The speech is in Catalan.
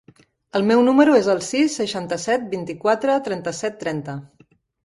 El meu número es el sis, seixanta-set, vint-i-quatre, trenta-set, trenta.